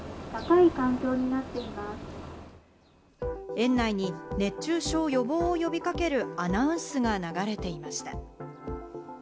園内に熱中症予防を呼びかけるアナウンスが流れていました。